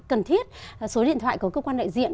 cần thiết số điện thoại của cơ quan đại diện